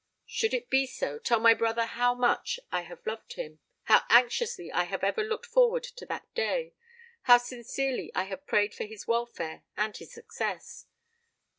Should it be so, tell my brother how much I have loved him—how anxiously I have ever looked forward to that day,—how sincerely I have prayed for his welfare and his success!